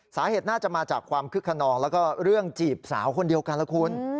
สาเหตุน่าจะมาจากความคึกขนองแล้วก็เรื่องจีบสาวคนเดียวกันล่ะคุณ